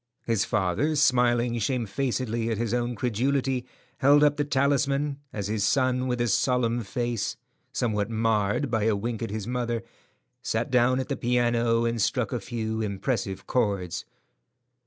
His father, smiling shamefacedly at his own credulity, held up the talisman, as his son, with a solemn face, somewhat marred by a wink at his mother, sat down at the piano and struck a few impressive chords.